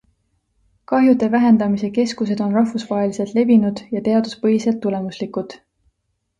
Kahjude vähendamise keskused on rahvusvaheliselt levinud ja teaduspõhiselt tulemuslikud.